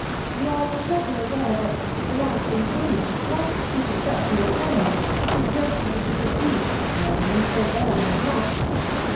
You are already aware that, without intending the slightest disrespect to your family, she greatly disapproved of his marrying so early in life."